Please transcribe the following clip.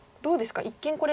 一見これ。